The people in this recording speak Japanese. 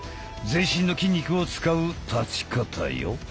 全身の筋肉を使う立ち方よ。